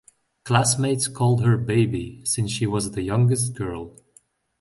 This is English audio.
Classmates called her "Baby" since she was the youngest girl.